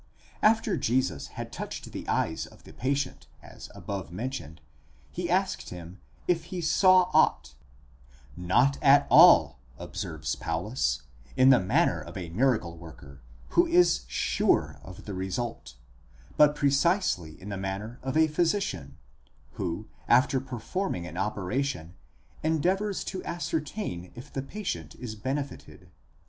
After Jesus had touched the eyes of the patient as above mentioned, he asked him if he saw aught ; not at all, observes Paulus, in the manner of a miracle worker, who is sure of the result, but precisely in the manner of a physician, who after performing an operation endeavours to ascertain if the patient is benefited.